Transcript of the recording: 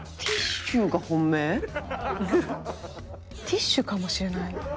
ティッシュかもしれない。